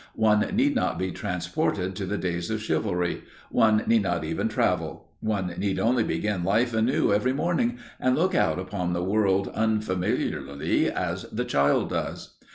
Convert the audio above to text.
One need not be transported to the days of chivalry, one need not even travel; one need only begin life anew every morning, and look out upon the world unfamiliarly as the child does.